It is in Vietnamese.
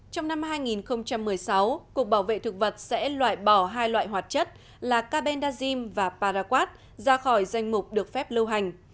trong năm hai nghìn một mươi sáu cục bảo vệ thực vật sẽ loại bỏ hai loại hoạt chất là cabel dajin và paraquat ra khỏi danh mục được phép lưu hành